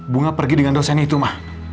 bunga pergi dengan dosanya itu mah